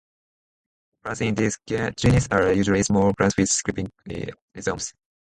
Plants in this genus are usually small plants with creeping rhizomes.